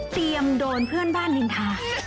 เตรียมโดนเพื่อนบ้านลินทา